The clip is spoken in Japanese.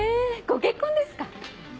ご結婚ですか。